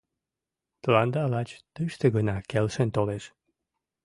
— Тыланда лач тыште гына келшен толеш.